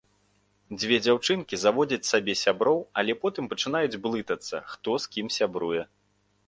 Дзве дзяўчынкі заводзяць сабе сяброў, але потым пачынаюць блытацца, хто з кім сябруе.